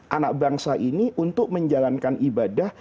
anak bangsa ini untuk menjalankan ibadah